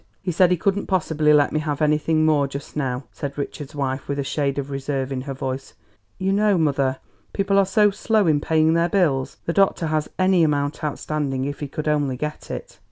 "He said he couldn't possibly let me have anything more just now," said Richard's wife with a shade of reserve in her voice. "You know, mother, people are so slow in paying their bills. The doctor has any amount outstanding if he could only get it."